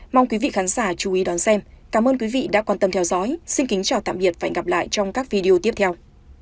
mong quý vị khán giả chú ý đón xem cảm ơn quý vị đã quan tâm theo dõi xin kính chào tạm biệt và hẹn gặp lại trong các video tiếp theo